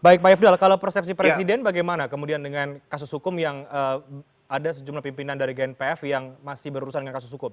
baik pak ifdal kalau persepsi presiden bagaimana kemudian dengan kasus hukum yang ada sejumlah pimpinan dari gnpf yang masih berurusan dengan kasus hukum